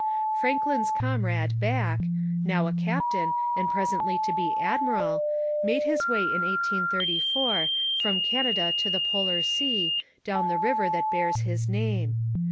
Franklin's comrade Back, now a captain and presently to be admiral, made his way in 1834 from Canada to the polar sea down the river that bears his name.